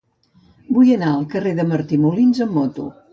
Vull anar al carrer de Martí Molins amb moto.